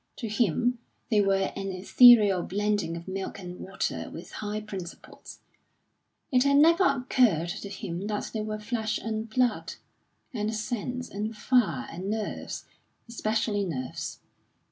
To him they were an ethereal blending of milk and water with high principles; it had never occurred to him that they were flesh and blood, and sense, and fire and nerves especially nerves.